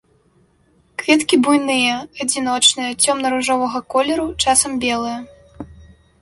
Кветкі буйныя, адзіночныя, цёмна-ружовага колеру, часам белыя.